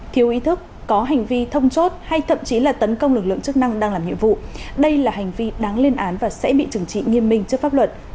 thiếu ý thức có hành vi thông chốt hay thậm chí là tấn công lực lượng chức năng đang làm nhiệm vụ đây là hành vi đáng lên án và sẽ bị trừng trị nghiêm minh trước pháp luật